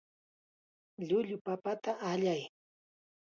Llullu papata allay.